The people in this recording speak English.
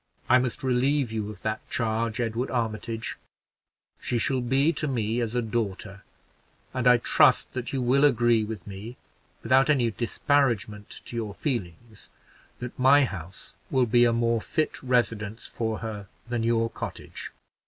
I must relieve you of that charge, Edward Armitage; she shall be to me as a daughter, and I trust that you will agree with me, without any disparagement to your feelings, that my house will be a more fit residence for her than your cottage."